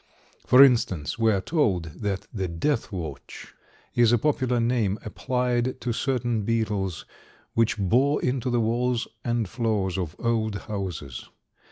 For instance we are told that the "deathwatch" is a popular name applied to certain beetles which bore into the walls and floors of old houses.